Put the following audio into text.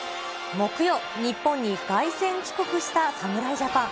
木曜、日本に凱旋帰国した侍ジャパン。